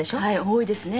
多いですね。